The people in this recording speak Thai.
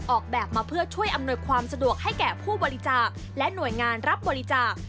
ออกแบบมาเพื่อช่วยอำนวยความสะดวกให้แก่ผู้บริจาคและหน่วยงานรับบริจาค